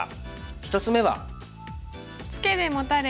１つ目は。